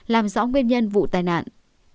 làm rõ nguyên nhân vụ tai nạn